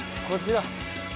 こちら。